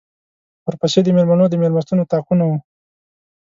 ورپسې د مېلمنو د مېلمستون اطاقونه وو.